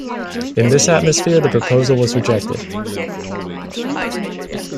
In this atmosphere the proposal was rejected.